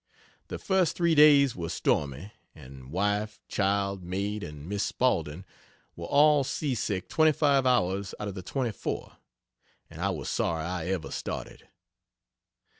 The first three days were stormy, and wife, child, maid, and Miss Spaulding were all sea sick 25 hours out of the 24, and I was sorry I ever started.